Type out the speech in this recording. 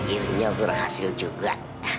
akhirnya berhasil juga